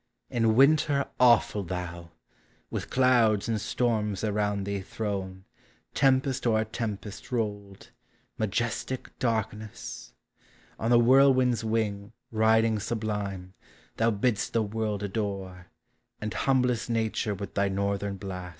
In Winter awful thou ! with clouds and storms Around thee thrown, tempest o'er tempest rolled. Majestic darkness! on the whirlwind's wing Riding sublime, thou bidd'st the world adore, And humblest nature with thy northern blast.